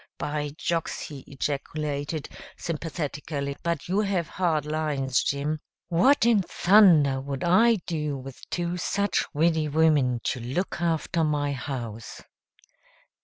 "By jocks!" he ejaculated sympathetically, "but you have hard lines, Jim. What in thunder would I do with two such widdy women to look after my house!"